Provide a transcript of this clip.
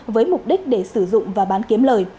với mục đích để sử dụng và bán kiếm lời